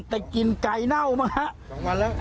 แต่กลิ่นไก่เน่ามาฮะ